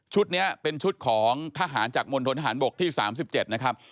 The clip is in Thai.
นี้เป็นชุดของทหารจากมณฑนทหารบกที่๓๗นะครับ